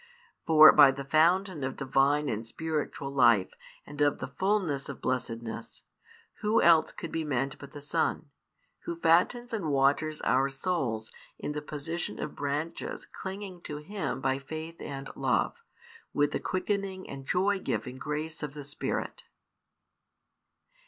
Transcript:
For by the fountain of Divine and spiritual life and of the fulness of blessedness, who else could be meant but the Son, Who fattens and waters our souls in the position of branches clinging to Him by faith and love, with the quickening and joy giving grace of the Spirit.